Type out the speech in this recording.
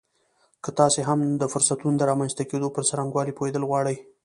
که تاسې هم د فرصتونو د رامنځته کېدو پر څرنګوالي پوهېدل غواړئ